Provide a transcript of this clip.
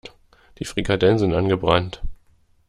Die Frikadellen sind angebrannt.